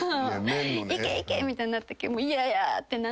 いけいけ！みたいになって嫌や！ってなって。